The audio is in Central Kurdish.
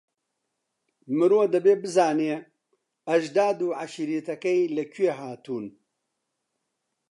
مرۆ دەبێ بزانێ ئەژداد و عەشیرەتەکەی لەکوێ هاتوون.